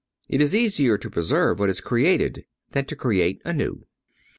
It is easier to preserve what is created, than to create anew.